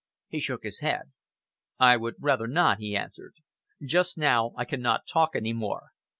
He shook his head. "I would rather not," he answered. "Just now I cannot talk any more.